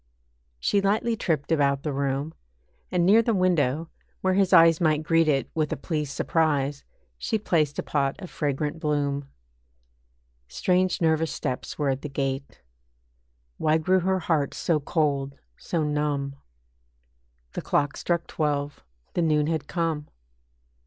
She lightly tripped about the room, And near the window, where his eyes Might greet it with a pleased surprise, She placed a pot of fragrant bloom. Strange nervous steps were at the gate. Why grew her heart so cold, so numb? The clock struck twelve, the noon had come.